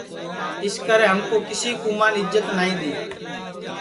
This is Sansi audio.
اِسکرے ہمکُو کیسی کُومان اِجت نائی دؔی